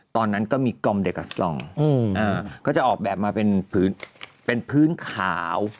ตอนนั้นก็มีกอมเดกาซองก็จะออกแบบมาเป็นพื้นขาว